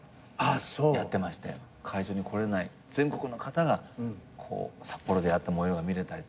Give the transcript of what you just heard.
会場に来れない全国の方が札幌でやった模様が見れたりとか。